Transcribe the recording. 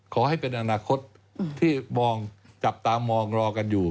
ขอให้เป็นอนาคตที่มองจับตามองรอกันอยู่